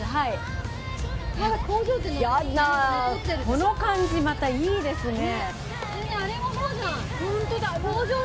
この感じ、またいいですね。